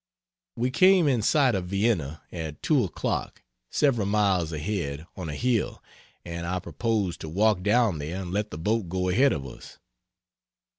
We came in sight of Vienne at 2 o'clock, several miles ahead, on a hill, and I proposed to walk down there and let the boat go ahead of us.